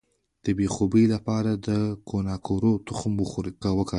د بې خوبۍ لپاره د کوکنارو تخم وکاروئ